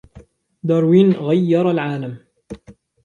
داروين غيرَ العالم.